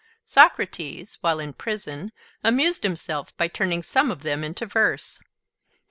Socrates while in prison amused himself by turning some of them into verse.